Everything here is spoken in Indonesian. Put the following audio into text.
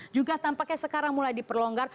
juga tampaknya sekarang mulai diperlonggar